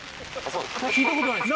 聞いたことないです。